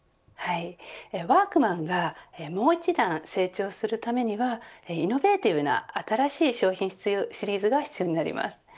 ワークマンがもう一段成長するためにはイノベーティブの新しい商品シリーズが必要になります。